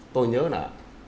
tôi nhớ là